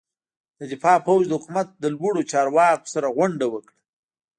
د دفاع پوځ د حکومت له لوړ پوړو چارواکو سره غونډه وکړه.